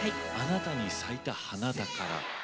「あなたに咲いた花だから」。